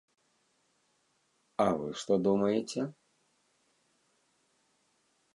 А вы што думаеце?